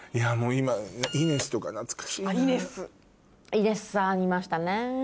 イネスさんいましたね。